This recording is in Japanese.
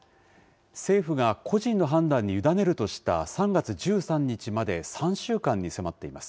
政府が個人の判断に委ねるとした３月１３日まで３週間に迫っています。